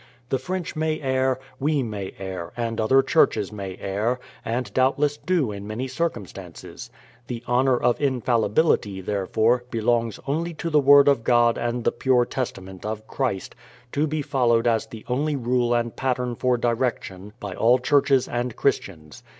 The French may err, we may err, and other Churches may err, and doubtless do in many circumstances. The honour of infallibility, therefore, belongs only to the word of God and the pure testament of Christ, to be followed as the only rule and pattern for direction by all Churches and Christians.